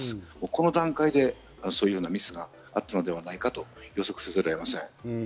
この段階でそのようなミスがあったのではないかと予測せざるを得ません。